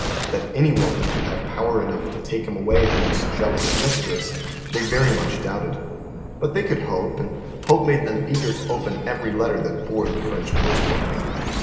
That any woman could have power enough to take him away from this jealous mistress they very much doubted. But they could hope, and hope made them eager to open every letter that bore the French postmark.